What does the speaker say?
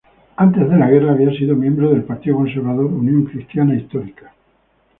Antes de la guerra, había sido miembro del partido conservador "Unión Cristiana Histórica".